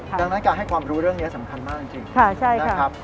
ดังนั้นการให้ความรู้เรื่องนี้สำคัญมากจริงนะครับ